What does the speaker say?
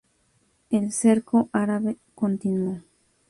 El cerco árabe continuó.